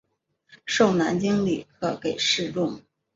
授南京礼科给事中。